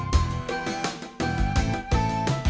semarang semarang semarang